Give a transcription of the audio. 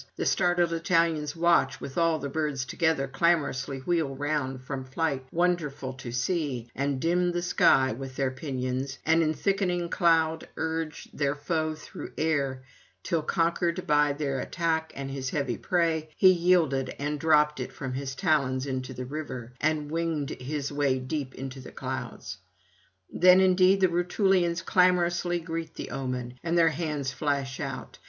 The startled Italians watch, while all the birds together clamorously wheel round from flight, wonderful to see, and dim the sky with their pinions, and in thickening cloud urge their foe through air, till, conquered by their attack and his heavy prey, he yielded and dropped it from his talons into the river, and winged his way deep into the clouds. Then indeed the Rutulians clamorously greet the omen, and their hands flash out.